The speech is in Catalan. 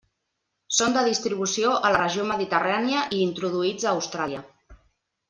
Són de distribució a la regió mediterrània i introduïts a Austràlia.